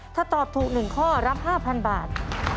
ถ้าตอบถูก๑ข้อรับ๕๐๐บาท